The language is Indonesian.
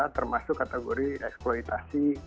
termasuk kategori eksploitasi